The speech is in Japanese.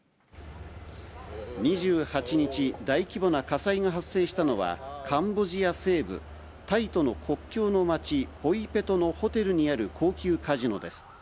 ２８日、大規模な火災が発生したのは、カンボジア西部、タイとの国境の町、ポイペトのホテルにある高級カジノです。